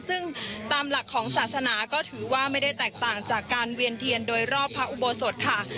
ซึ่งตามหลักของศาสนาก็ถือว่าไม่ได้แตกต่างจากการเวียนเทียนโดยรอบพระอุโบสถค่ะ